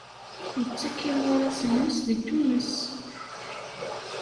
Yettekk imuras-nnes deg Tunes.